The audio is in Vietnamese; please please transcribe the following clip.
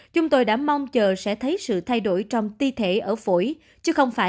chúng tôi đã mong chờ sẽ thấy sự thay đổi trong ti thể ở phổi